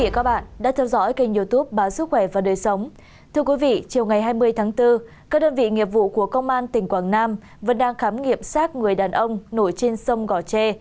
các đơn vị nghiệp vụ của công an tỉnh quảng nam vẫn đang khám nghiệm sát người đàn ông nổi trên sông gò tre